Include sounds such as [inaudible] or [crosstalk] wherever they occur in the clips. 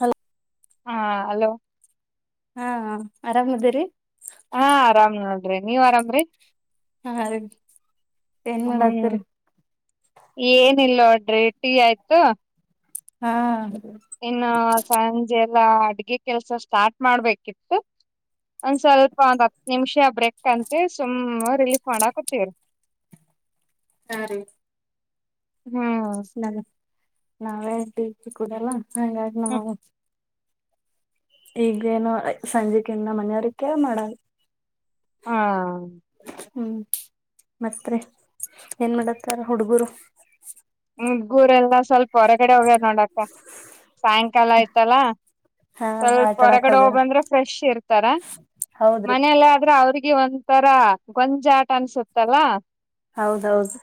Hello ಹಾ hello ಹಾ ಆರಾಮದಿರಿ ನೀವ ಆರಾಮ್ ರಿ ಹಾ ಆರಾಮ್ ಏನ್ ಹ್ಮ್ ಮಾಡತ್ತರಿ ಏನಿಲ್ಲ ನೋಡ್ರಿ ಟೀ ಆಯ್ತು ಹಾ ಇನ್ನು ಸಂಜೆ ಎಲ್ಲಾ ಅಡ್ಗೆ ಕೆಲ್ಸ ಸ್ಟಾರ್ಟ್ ಮಾಡ್ಬೇಕಿತ್ತು ಒಂದ್ ಸ್ವಲ್ಪ ಒಂದ್ ಹತ್ ನಿಮಿಷ ಬ್ರೇಕ್ ಅಂತ ಸುಮ್ಮ ರಿಲೀಫ್ ಮಾಡಾಕತೀವ್ರರಿ ರೆ ಹ್ಮ್ ನ ನಾವೇ ಕೂಡಲ್ಲ ಹಂಗಾಗಿ ಹ್ಮ್ ನಾವು ಈಗೇನು ಸಂಜೆ ಕ ಇನ್ನ ಮನೆಯವ್ರಕ್ಕೆ ಮಾಡ ಹಾ ಹ್ಮ್ ಮತ್ತೆ ಏನ್ ಮಾಡತ್ತಾರ ಹುಡುಗರು ಹುಡುಗರೆಲ್ಲ ಸ್ವಲ್ಪ ಹೊರಗಡೆ ಹೋಗ್ಯದ ನೋಡಕ್ಕ ಸಾಯಂಕಾಲ ಆಯ್ತಲ್ಲ ಹಾ ಸ್ವಲ್ಪ ಆಟಾಡಕ್ ಹೊರಗಡೆ ಹೋಗ್ಯಾರ ಹೋಗ್ ಬಂದ್ರ ಫ್ರೆಶ್ ಇರ್ತಾರ ಹೌದ್ರಿ ಮನೆಯಲ್ಲಿ ಆದ್ರೆ ಅವ್ರಿಗೆ ಒಂತರ ಗೊಂಜಾಟ ಅನ್ಸುತ್ತಲ್ಲ ಹೌದೌದು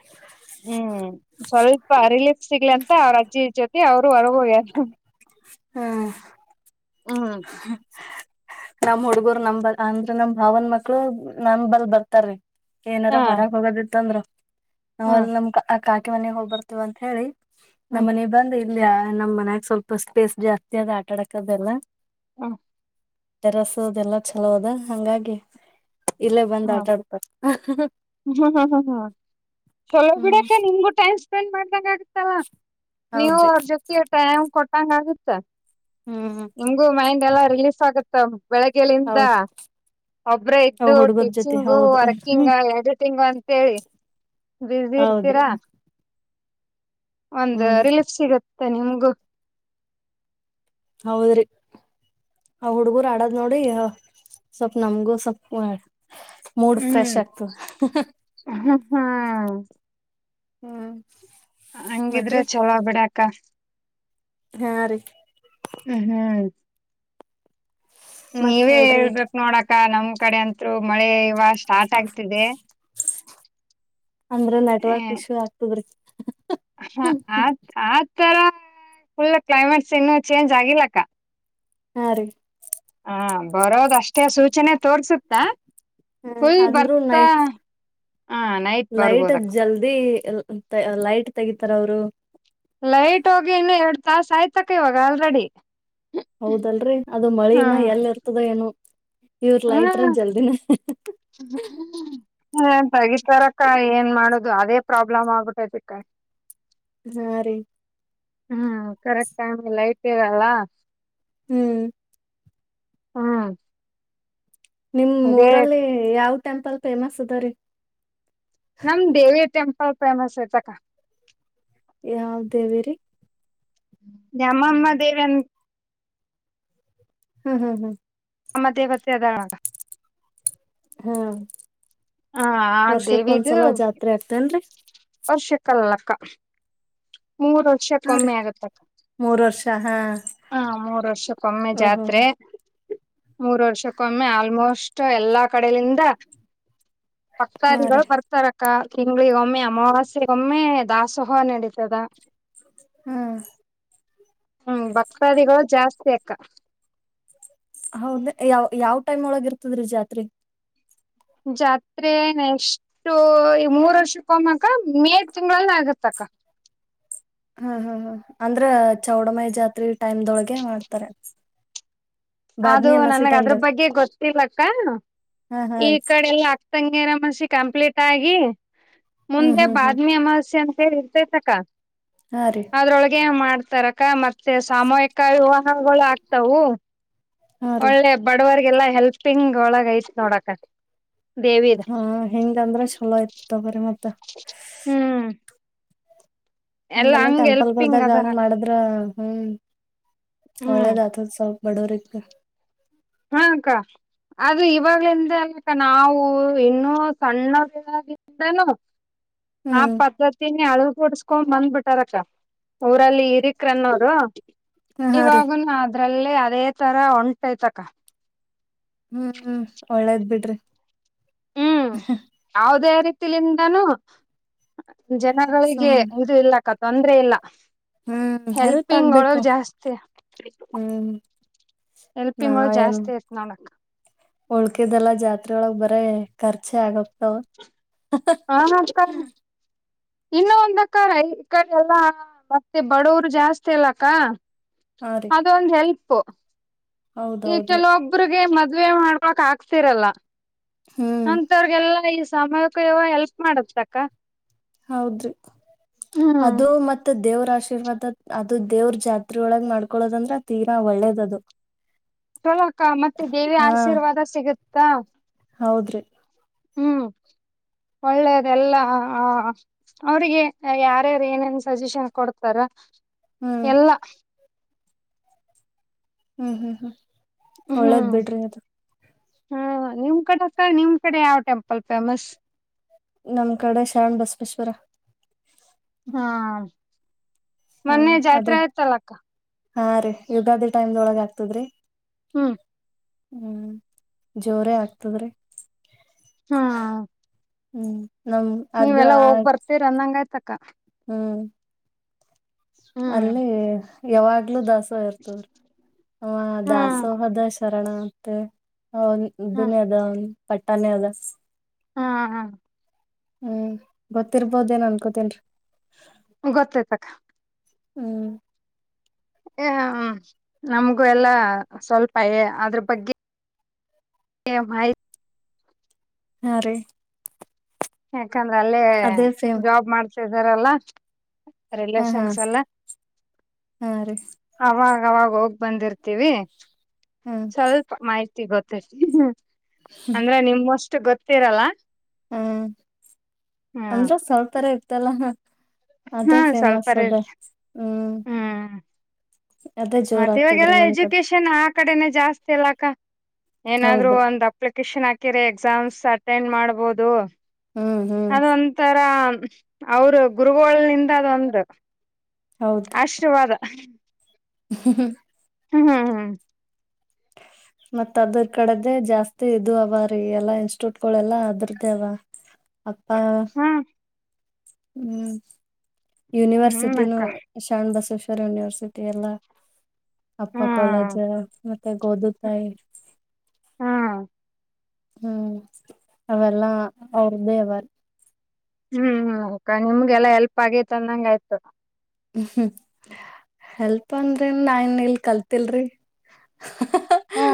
ಹ್ಮ್ ಸ್ವಲ್ಪ ರಿಲೀಫ್ ಸಿಗ್ಲಿ ಅಂತ ಅವ್ರ ಅಜ್ಜಿ ಜೊತೆ ಅವ್ರು ಹೊರಗೆ ಹೋಗ್ಯಾರ ಹ್ಮ್ ಹಾ [inaudible] ನಮ್ ಹುಡುಗರು ನಮಲ್ ಅಂದ್ರೆ ನಮ್ ಭಾವನ್ ಮಕ್ಳು ನಮ್ಮ ಬಲ್ ಬರ್ತಾರ ಏನಾರ ಹಾ ಹೊರಗೆ ಹೋಗೋದಿತ್ತ ಅಂದ್ರು ಹಾ ನಾವಲ್ಲಿ ನಮ್ ಆ ಕಾಕೆ ಮನೆಗ್ ಹೋಗ್ ಬರ್ತಿವಂತ ಹೇಳಿ ಹಾ ನಮ್ಮ್ ಮನೆ ಬಂದ ಇಲ್ಯ ನಮ್ಮ್ ಮನ್ಯಾಗ ಸ್ವಲ್ಪ ಸ್ಪೇಸ್ ಜಾಸ್ತಿ ಅದ ಆಟಾಡಕದೆಲ್ಲ ಹ್ಮ ಟೆರಸು ಅದೆಲ್ಲ ಚಲೋ ಅದ ಹಂಗಾಗಿ ಇಲ್ಲೇ ಬಂದ್ ಆಟ ಆಡ್ತಾರ ಹ್ಮ್ ಹ್ಮ ಹ್ಮ್ ಹ್ಮ ಚಲೋ ಹ್ಮ್ ಬಿಡಕ ನಿಮ್ಗೂ ಟೈಮ್ ಸ್ಪೆಂಡ್ ಮಾಡ್ದಾಗ ಆಗತ್ತಲ್ಲ ನೀವು ಹೌದ್ರಿ ಅವ್ರ ಜೊತೆಗೆ ಟೈಮ್ ಕೊಟ್ಟಂಗ ಆಗುತ್ತೆ ಹ್ಮ್ ನಿಮಗೂ ಮೈಂಡ್ ಎಲ್ಲಾ ರಿಲೀಫ್ ಆಗುತ್ತೆ ಬೆಳಗ್ಯಿಂದ ಹೌದ್ ಒಬ್ರ ಅವ್ ಇದ್ದು ಹುಡುಗರ್ ಜೊತೆ ಟಿಚಿಂಗ್ ಹೌದು ವರ್ಕಿಂಗ್ ಹಂಗ ಅಂತೇಳಿ ಬ್ಯಸಿ ಹೌದ್ರಿ ಇರ್ತೀರಾ ಒಂದು ಹ್ಮ್ ರಿಲೀಫ ಸಿಗತ್ತೆ ನಿಮ್ಗು ಹೌದ್ರಿ ಆ ಹುಡ್ಗರು ಆಡದ್ ನೋಡಿ ಸ್ವಲ್ಪ್ ನಮ್ಗೂ ಸ್ವಲ್ಪ ಮೂಡ್ ಫ್ರೆಶ್ ಹ್ಮ್ ಆಗ್ತದೇ ಹ್ಮ್ ಹ್ಮ್ ಹ್ಮ್ ಹಂಗಿದ್ರೆ ಮತ್ರಿ ಚಲೋ ಬಿಡಾಕ್ಕ ಹಾ ರೀ ಹ ಹ್ಮ್ ಮತ್ ನೀವೇ ಹೇಳ್ರಿ ಹೇಳ್ಬೇಕ ನೋಡಕ ನಮ್ ಕಡೆ ಅತ್ರು ಮಳೆ ಸ್ಟಾರ್ಟ್ ಆಗ್ತಿದೆ ಅಂದ್ರ ನೆಟ್ವರ್ಕ್ ಹ್ಮ ಇಶ್ಯೂ ಆಗ್ತದ್ರಿ ಹ ಆ ಆತರ ಫುಲ್ ಕ್ಲೈಮೇಟ್ಸ್ ಇನ್ನು ಚೇಂಜ್ ಆಗಿಲ್ಲ ಅಕ್ಕ ಹಾ ರೀ ತೋರ್ಸುತ್ತಾ ಹ ಫುಲ್ ಅಂದ್ರು ಬರ್ತಾ ನೈಟ್ ಹ ನೈಟ್ ಲೈಟ್ ಬರ್ಬೋದಕ್ಕ ಜಲ್ದಿ ಲೈಟ್ ತೆಗಿತಾರೆ ಅವರು ಲೈಟ್ ಹೋಗಿ ಇನ್ನು ಎರಡ್ ತಾಸ ಆಯ್ತಕ ಇವಾಗ ಆಲ್ರೆಡಿ ಹೌದಲ್ರರಿ ಅದು ಹಾ ಮಳಿನ ಎಲ್ ಇರ್ತದ ಏನು ಇವ್ರ ಹ ಲೈಟ್ರೈ ಜಲ್ದಿನ ಹ್ಮ ತೇಗಿತಾರಕ್ಕ ಏನ್ ಮಾಡುದು ಅದೇ ಪ್ರಾಬ್ಲಮ್ ಆಗ್ಬಿಟೈದಕ್ಕ ಹಾ ರೀ ಹ್ಮ್ ಕರೆಕ್ಟ್ ಟೈಮ್ ಗೆ ಲೈಟ್ ಇರಲ್ಲ ಹ್ಮ್ ಹ್ಮ ನಿಮ್ ಊರಲ್ಲಿ ಯಾವ್ ಟೆಂಪಲ್ ಫೇಮಸ್ ಅದರೀ ನಮ ದೇವಿ ಟೆಂಪಲ್ ಫೇಮಸ್ ಐತಕ್ಕ ಯಾವ ದೇವಿರೀ ಜಮಮ್ಮ ದೇವಿ ಅಂತ ಹ್ಮ್ ಹ್ಮ್ ಹ್ಮ್ ನಮ್ಮ ದೇವತೆ ಅದಾಳ ಅಕ್ಕ ಹಾ ಆ ಆ ವರ್ಷಕ್ಕ ದೇವಿದು ಒಂದ್ಸಲ ಜಾತ್ರೆ ಆಗ್ತೇನ್ರಿ ವರ್ಷಕ್ಕಲ್ಲಕ್ಕ ಮೂರ್ ಹಾ ರೀ ವರ್ಷಕ್ಕೊಮ್ಮಿ ಆಗುತಕ್ಕ ಮೂರ್ ವರ್ಷ ಹಾ ಹಾ ಮೂರ್ ವರ್ಷಕ್ಕೊಮ್ಮೆ ಓಹೋ ಜಾತ್ರೆ ಮೂರ್ ವರ್ಷಕ್ಕೊಮ್ಮೆ ಆಲ್ಮೋಸ್ಟ್ ಎಲ್ಲಾ ಕಡಲಿಂದ ಹಾ ರೀ ಪಕ್ತಾರಿಗಳು ಬರ್ತಾರಕ್ಕ ತಿಂಗಳಿಗ ಒಮ್ಮೆ ಅಮಾವಾಸ್ಯಗ ಒಮ್ಮೆ ದಾಸೋಹ ನಡೀತದ ಹ್ಮ್ ಹ್ಮ್ ಭಕ್ತಾದಿಗಳು ಜಾಸ್ತಿ ಅಕ್ಕ ಹೌದ ಯಾವ ಯಾವ್ ಟೈಮ್ ಒಳಗ ಇರ್ತದ್ರಿ ಜಾತ್ರಿ ಜಾತ್ರೆ ಎಷ್ಟು ಈ ಮೂರ್ ವರ್ಷಕ್ಕೆಮ್ಮಕ್ಕ ಮೇ ತಿಂಗಳಗಳಲ್ಲಿ ಆಗತ್ತಕ್ ಹ್ಮ್ ಹ್ಮ್ ಹ್ಮ್ ಅಂದ್ರ ಚೌಡಮೈ ಜಾತ್ರಿ ಟೈಮ್ದೊಳಗೆ ಮಾಡ್ತಾರೆ ಅದು ಬಾದ್ಮಿ ಅಮಾಸಿ ನನ್ಗ ಅದ್ರ ಟೈಮ್ದಾಗ ಬಗ್ಗೆ ಗೊತ್ತು ಲಕ್ಕ ಹಾ ಹಾ ಈ ರೀ ಕಡೆ ಅಕ್ತಂಗರ ಮಸಿ ಕಂಪ್ಲೀಟ್ ಆಗಿ ಹ್ಮ್ ಮುಂದೆ ಹ್ಮ್ ಹ್ಮ್ ಬಾದ್ಮಿ ಅಮಾವಸ್ಯೆ ಅಂತ ಇರ್ತೇತಕ್ಕ ಹಾ ರೀ ಅದ್ರೊಳಗೆ ಮಾಡ್ತ ತರಕ ಮತ್ತೆ ಸಾಮೂಹಿಕ ವಿವಾಹಗಳು ಆಗ್ತವು ಹಾ ರೀ ಒಳ್ಳೆ ಬಡವರ ಗೆಲ್ಲ ಹೆಲ್ಪಿಂಗ್ ಒಳಗ ಐತ್ ನೋಡಕ ದೇವಿದ ಹಾ ಹೆಂಗಂದ್ರೆ ಚಲೋ ಆಯ್ತ ತಗರಿ ಮತ್ತೆ ಹ್ಮ್ ಎಲ್ಲಾ ಹಂಗಗೆಲ್ಲಾ ಹಂಗ್ ಟೆಂಪಲ್ ಎಲ್ಪಿಂಗ್ ಗಳದಾಗ ಹಂಗ್ ಅದಾರಕ್ಕ ಮಾಡಿದ್ರ ಹ್ಮ್ ಹ್ಮ್ ಅವಳ್ಳದತ ಸ ಬಡೋರಿ ಹಾಕ್ಕಾ ಅದು ಇವಾಗ ಎಂದ ಆಕ್ಕ ನಾವು ಇನ್ನುೂ ಸಣ್ಣದಾಗಿಾನನು ಆ ಹ್ಮ್ ಪದ್ಧತಿನೇ ಅಳ ಕೊಡ್ಸ್ಕೊಂಡ್ ಬಂದ್ಬಿಟಾರಕ್ಕ ಊರಲ್ಲಿ ಇರಿಕ್ರನ್ನೋದು ಹ ಹಾ ರೀ ಇವಾಗನು ಅದ್ರಲ್ಲ ಅದೇ ತರ ಒಂಟೈತಕ ಹ್ಮ್ ಒಳ್ಳೇದ್ ಬಿಡ್ರಿ ಹ್ಮ್ ಯಾವವುದೇ ರೀತಿಲಿಂದನೂ ಜನಗಳಿಗೆ ಸುಮ್ ಇದು ಇಲ್ಲಕ್ಕ ತೊಂದ್ರೆ ಇಲ್ಲ ಹ್ಮ್ ಹೆಲ್ಪ್ ಹೆಲ್ಪಿಂಗ್ ಆಗ್ಬೇಕು ಒಳಗ್ ಜಾಸ್ತಿ ಹ್ಮ್ ಹೆಲ್ಪಿಂಗ್ ನಾವ ಒಳಗ್ ಏನ್ ಜಾಸ್ತಿ ಐತ್ ನೋಡಕ್ಕ ಉಳ್ಕದಲ್ಲ ಜಾತ್ರೆೊಳಗ್ ಬರ್ ಖರ್ಚೆ ಆಗ ಹಾ ಅಕಲ್ ಇನ್ನು ಒಂದಕ್ಕ ಈ ಕಡೆ ಎಲ್ಲಾ ಮತ್ತೆ ಬಡವರು ಜಾಸ್ತಿ ಅಲ್ಲಕ್ಕ ಹಾ ರೀ ಅದೊಂದ ಹೆಲ್ಪ್ ಈ ಹೌದೌದ್ರಿ ಕೆಲವೊಬ್ರರಿಗೆ ಮ ಮದ್ವೆ ಮಾಡ್ಕೊಕ್ ಆಕ್ತಿರಲ್ಲ ಹ್ಮ್ ಅಂತವ್ರಗೆಲ್ಲಾ ಈ ಸಮಯಕ್ಕೂ ಯಾವ ಹೆಲ್ಪ್ ಮಾಡತ್ಕ್ಕ ಹೌದ್ರಿ ಅದು ಮತ್ತ ದೇವ್ರ ಆಶೀರ್ವಾದ ಅದು ದೇವ್ರ ಜಾತ್ರೆೊಳಗ ಮಾಡ್ಕೊೊಳ್ಳೋದಂದ್ರೆ ತೀರಾ ಒಳ್ಳೇದದು ಚಲಕ್ಕ ಮತ್ತೆ ದೇವಿಯ ಹಾ ಆಶೀರ್ವಾದ ಸಿಗುತ್ತಾ ಹೌದ್ರಿ ಒಳ್ಳೇದೆಲ್ಲ ಹ ಅವ್ರಿಗೆ ಯಾರ್ಯಾರು ಏನೇನ್ ಸಜೆಷನ್ ಕೊಡ್ತಾರೆ ಹ್ಮ್ ಎಲ್ಲಾ ಹ್ಮ್ ಹ್ಮ್ ಹ್ಮ್ ಒಳ್ಳೇದ್ ಹ್ಮ್ ಬಿಡ್ರಿ ಅದು ಹಾ ನಿಮ್ ಕಡೆ ಸ ನಿಮ್ ಕಡೆ ಯಾವ ಪಲ್ ಫೇಮಸ್ ನಮ್ ಕಡೆ ಶರಣ್ ಬಸವೇಶ್ವರ ಹಾ ಮೊನ್ನೆ ಹ್ಮ್ ಜಾತ್ ಅದೇ ಆಯ್ತಲ್ಲಕ್ಕ ಹಾ ರೀ ಯುಗಾದಿ ಟೈಮ್ದೊಳಗ ಆಗ್ತದ್ರಿ ಹ್ಮ್ ಹ್ಮ್ ಜೋರೇ ಆಗ್ತದ್ರಿ ಹಾ ಹ್ಮ್ ನಮ ಅದು ಆ ಬರ್ತೀರ ಅಂದಂಗ ಆಯ್ತಕ್ಕ ಹ್ಮ್ ಹ್ಮ್ ಅಲ್ಲಿ ಯಾವಾಗ್ಲೂ ದಾಸೋಹ ಇರ್ತವ್ರ ನಮ್ಮ ಹ್ಮ್ ದಾಸೋಹ ದಶ ಶರಣ ಮತ್ತೆ ಹ್ಮ್ ಇದನೇ ಅದ ಪಟ್ಟಾನೇ ಅದ ಹಾ ಹಾ ಹ್ಮ್ ಗೊತ್ತಿರ್ಬೋದ ಏನ್ ಅನ್ಕೋತೇನ್ರಿ ಗೊತ್ತಾಯ್ತಕ್ಕ ಹ್ಮ್ ನಮಗೂ ಎಲ್ಲಾ ಸ್ವಲ್ಪ ಎ ಅದ್ರ ಬಗ್ಗೆ ಎ ಬೈ ಹಾ ರೀ ಯಾಕಂದ್ರ ಅಲ್ಲೇ ಅದೇ ಸೇಮ್ ಜಾಬ್ ಮಾಡ್ತಿದಾರಲ್ಲ. ಹಾ ಹಾ ರಿಲೇಷನ್ಸ್ ಎಲ್ಲ ಹಾ ರೀ ಅವ ಅವಾಗ ಹೋಗ್ ಬಂದಿರ್ತೀವಿ ಹ್ಮ ಸ್ವಲ್ಪ ಮಾಹಿತಿ ಗೊತ್ತರತಿ ಅಂದ್ರೆ ನಿಮ್ ಅಷ್ಟು ಗೊತ್ತಿರಲ್ಲ. ಹ್ಮ ಹ್ಮ್ ಅಂದ್ರ ಸ್ವಲ್ಪ್ರ ಇರ್ತಲ್ಲ ಅದೇ ಹಾ ಸ್ವಲ್ಪ ಫೇಮಸ್ ಅದೆೇ ಇರ್ತಿ ಹ್ಮ್ ಅದೇ ಜೋರ್ ಮತ್ತೆ ಆಗ್ತದ್ರಿ ಇವಾಗೆಲ್ಲಾ ನಮ್ ಕಡೆ ಎಜುಕೇಶನ್ ಆ ಕಡೆನೆ ಜಾಸ್ತಿ ಎಲ್ಲಾಕ್ಕ ಏನಾದ್ರು ಹೌದ್ರಿ ಒಂದ್ ಅಪ್ಲಿಕೇಶನ್ ಹಾಕಿರ ಎಕ್ಸಾಮ್ಸ್ ಅಟೆಂಡ್ ಮಾಡ್ಬೋದು ಹ್ಮ್ ಹ್ಮ್ ಅದೊಂ ಒಂತರ ಅವರು ಗುರುಗಳೋ ನಿಂದ ಅದೊಂದು ಅಂದ್ರ ಆಶೀರ್ವಾದ ಹ್ಮ ಹ್ಮ ಹ್ಮ್ ಹ್ಮ್ ಹ ಮತ್ತತ್ ಅದ್ರ ಕಡೆದೇ ಜಾಸ್ತಿ ಇದು ಅವ ರೀ ಎಲ್ಲಾ ಇನ್ಸ್ಟಿಟ್ಯೂಟ್ ಗಳೆಲ್ಲಾ ಅದ್ರ್ದೇ ಅವ ಅಪ್ಪ ಹ್ಮ್ ಹ್ಮ್ ಹ್ಮ್ ಯುನಿವರ್ಸಿಟಿ ನ ಅಕ್ಕ ಶಾಣ ಬಸೋಸ ಯೂನಿವರ್ಸಿಟಿ ಎಲ್ಲ. ಅಪ್ಪ ಕಾಲೇಜ್ ಹ್ಮ್ ಮತ್ತೆ ಗೋದುತಾಯಿ ಹ್ಮ್ ಹ್ಮ್ ಅವಲ್ಲಾ ಅವ್ರದ್ದೇ ಅವರು ಹ್ಮ್ ನಿಮ್ಗೆ ಎಲ್ಲಾ ಎಲ್ಪ್ ಆಗೇತ್ ಅಂದಂಗ ಆಯ್ತು ಹ್ಮ ಹೆಲ್ಪ್ ಅಂದರೆ ನಾ ಇನ್ ಇಲ್ ಕಲ್ತಿಲ್ರಿರಿ ಹಾ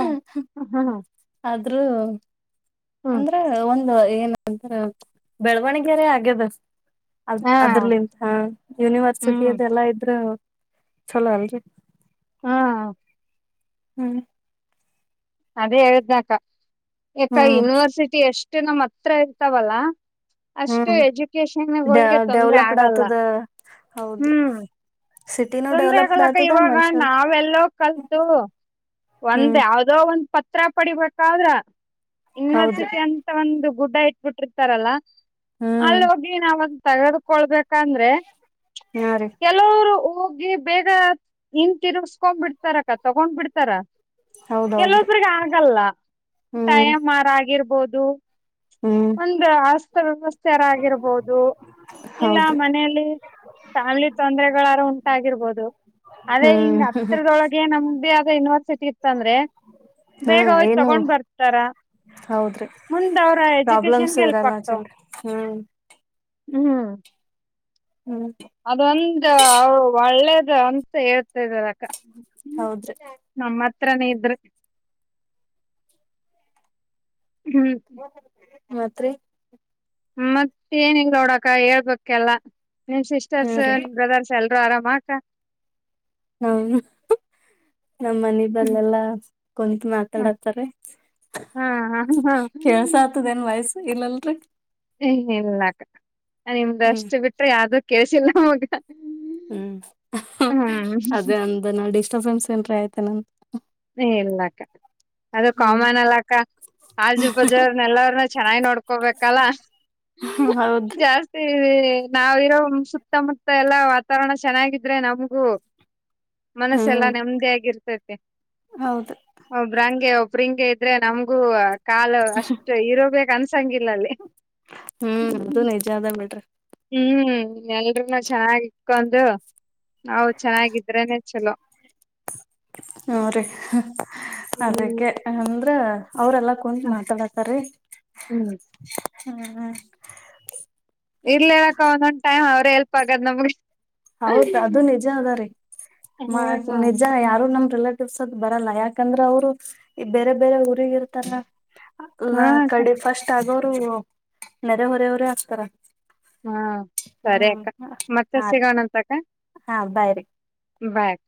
ಹ್ಮ್ ಹ್ಮ್್ಮ ಅಂದ್ರೆ ಒಂದ ಏನ ಅಂದ್ರ ಬೆಳವಣಗರೇ ಆಗ್ಯದ ಅದ್ ಹಾ ಅದ್ರಲಿಂತ ಯೂನಿವರ್ಸಿಟಿ ಹ್ಮ್ ಅದ ಎಲ್ಲಾ ಇದ್ರ ಚಲೋ ಅಲ್ರಿ ಹಾ ಹ್ಮ್ ಅದೇ ಹೇಳ್ದ್ನಕ ಯಕ ಯುನಿವರ್ಸಿಟಿ ಎಷ್ಟು ನಮ್ಮ್ ಹತ್ರ ಇರ್ತಾವಲ್ಲ ಅಷ್ಟು ಹ್ಮ್ ಎಜುಕೇಶನ್ ಡೆ ಒಳಗೆ ತೊಂದ್ರರೆ ಡೆವಲಪ್ಡ್ ಆಗಲ್ಲ ಆತದ ಹೌದ್ರಿ ಹ್ಮ್ ಸಿಟಿನೂ ತೊಂದ್ರೆ ಡೆವಲಪ್ಡ್ ಆಗಲಕ್ಕ ಆತದ ಇವಾಗ ಮನುಷ್ಯರ್ ನಾವೆಲ್ಲ ಕಲ್ತು ಒಂದ್ ಹ್ಮ್ ಯಾವದೋ ಒಂದ್ ಪತ ಹತ್ರ ಪಡಿಬೇಕಾದ್ರ ಹೌದ್ರಿ ಯುನಿವರ್ಸಿಟಿ ಅಂತ ಒಂದು ಗುಡ್ ಇಟ್ಬಿಟ್ಟಿರ್ತಾರಲ್ಲ. ಹ್ಮ್ ಅಲ್ಲಿ ಹೋಗಿ ನಾವಂದು ತೆಗೆದುಕೊಳ್ಬೇಕಂದ್ರೆ ಹಾ ರೀ ಕೆಲವರು ಬೇಗ ಹಿನ್ ತಿರುಸ್ಕೊಂಡ್ ಬಿಡ್ತಾರಕ್ಕ ತಗೊಂಡ್ ಬಿಡ್ತಾರ ಹೌದೌದ್ರಿ ಕೆಲವೊಬ್ರಗ ಆಗಲ್ಲ ಹ್ಮ್ ಟೈಮಾರ್ ಆಗಿರ್ಬೋದು ಹ್ಮ್ ಒಂದ ಹಸ್ತ ವ್ಯವಸ್ಥೆಯಾರಗಿರ್ಬೋದು ಇಲ್ಲ ಹೌದ್ರಿ ಮನೆಯಲ್ಲಿ ಫ್ಯಾಮಿಲಿ ತೊಂದ್ರರೆಗಳಾರು ಉಂಟ ಆಗಿರ್ಬೋದು ಅದೇ ಹ್ಮ್ ಹಿಂಗ ಹ್ಮ್ ಹತ್ರರದೊಳಗೆ ನಮ್ದ ಆದ ಯೂನಿವರ್ಸಿಟಿ ತಂದ್ರೆ ಹಾ ಬೇಗ ಹೋಗಿ ಏನು ತಗೊಂಡ್ ಬರ್ತಾರ ಹೌದ್ರಿ ಮುಂದ ಅವ್ರ ಪ್ರಾಬ್ಲಮ್ಸ್ ಎಜುಕೇಶನಗೆ ಹೆಲ್ಪ್ ಇರಲ್ಲ ಆಗ್ತಾವ ಜಲ್ರಿ ಹ್ಮ್ ಹ್ಮ್ ಹ್ಮ್ ಅದೊಂದ ಒಳ್ಳೇದು ಅಂತ ಹೇಳ್ತಿದ ಅಕ್ಕ ಹೌದ್ರಿ ಚತ್ರನೇ್ರ ಮತ್ರಿ ಮತ್ತ ಏನಿಲ್ಲಲ್ ನೋಡಕ ಹೇಳ್ಬೇಕಲ್ಲಾ ನಿಮ್ ಹ್ಮ ಸಿಸ್ಟರ್ಸ್ ರೀ ನಿಮ್ ಬ್ರದರ್ಸ್ ಎಲ್ಲಾ ಪ್ರ ಆರಾಮಕ್ಕ ಹೌದು ನಮ್ಮ ಮನ ಬಲ್ಲೆಲ್ಲಾ ಕುಂತು ಮಾತಾಡತಾರೆ ಹಾ ಹಾ ಹಾ ಕೆಲ್ಸ ಆತದೇಏನ್ ವಯಸ್ಸು ಇಲ್ಲಲ್ರಿ ಏ ಇಲ್ಲಾಕ್ಕ ನಿಮ್ದ ಹ್ಮ್ ಅಷ್ಟು ಬಿಟ್ರೆ ಯಾವ್ದೂ ಕೇಸಿಲ್ಲ ಅವಗ ಹ್ಮ್ ಅದೇ ಅಂದ ನ ಡಿಸ್ಟರ್ಬೆನ್ಸ್ ಏನ್ ಆಯ್ತೆ ನನ್ ಹ ಇಲ್ಲಕ್ಕ ಅದು ಹ್ಮ್ ಕಾಮನ್ ಅಲಾಕ್ಕ ಕಜು ಬಜ್ರನ್ನ ಎಲ್ಲನ್ನ ಚೆನ್ನಾಗಿ್ ನೋಡ್ಕೋಬೇಕಲ್ಲ ಹ ಹೌದ್ರಿ ಜಾಸ್ತಿ ನಾವಿರೋ ಸುತ್ತಮುತ್ತ ಎಲ್ಲಾ ವಾತಾವರಣ ಚೆನ್ನಾಗಿದ್ರೆ ನಮ್ಗೂ ಮನಸ್ಸ ಎಲ್ಲಾ ಹ್ಮ್ ನೆಮ್ಮದಿ ಆಗಿರ್ತತಿ ಹೌದು ಒಬ್ರಂಗಗೆ ಒಬ್ಬ ಸ್ಪ್ರಿಂಗ್ಗೆ ಇದ್ರೆ ನಮ್ಗೂ ಕಾಲು ಅಷ್ಟು ಇರೋಬೇಕ ಅನ್ಸಂಗಿಲ್ಲಲ್ಲಿ ಹ್ಮ್ ಅದು ನಿಜ ಅದ ಬಿಡ್ರಿ ಹ್ಮ್ ಎಲ್ರುೂನು ಚೆನ್ನಾಗಿ ಇಕೊಂಡು ನಾವು ಚೆನ್ನಾಗಿದ್ರೇನೆ ಚಲೋ ಹ್ಮ ರೀ ಹ್ಮ್ ಅದಕ್ಕೆ ಅಂದ್ರ ಅವ್ರಲ್ಲಾ ಕುೂಂ ಮಾತಾಡತಾರೀ ಹ್ಮ್ ಹ್ಮ್ ಹ ಇರ್ಲಿಕ್ಕ ಒಂದೊಂದ್ ಟೈಮ್ ಅವ್ರೇ ಹೆಲ್ಪ್ ಆಗ ನಮಗೆ ಹೌದ ಅದು ನಿಜ ಅದ ರೀ ಹಾ ನಿಜ ಯಾರು ನಮ ರಿಲೇಟಿವ್ಸ್ ಅದ್ ಬರಲ್ಲ ಯಾಕಂದ್ರ ಅವ್ರು ಈ ಬೇರೆ ಬೇರೆ ಊರಿಗ ಇರ್ತಾರ ಅಲ್ಲ ಹಾ ಅಕ್ಕ ಕಡೆ ಫಸ್ಟ್ ಆಗೋರು ನೆರೆ ಹೊರವರೇ ಹಾಕ್ತಾರ ಹಾ ಸರಿ ಮತ್ತೆ ಹಾ ಸಿಗಣಂತ ತಕ ಹಾ ಬಾಯ್ರಿ ಬಕ್